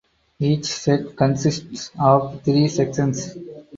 Each set consists of three sections.